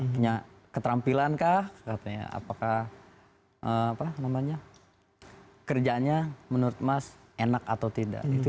punya keterampilan kah katanya apakah kerjaannya menurut mas enak atau tidak